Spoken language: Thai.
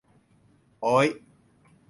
โอ๊ย